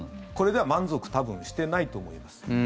これでは満足多分してないと思います。